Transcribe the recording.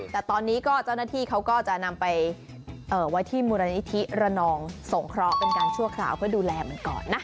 แต่ตอนนี้ก็เจ้าหน้าที่เขาก็จะนำไปไว้ที่มูลนิธิระนองสงเคราะห์เป็นการชั่วคราวเพื่อดูแลมันก่อนนะ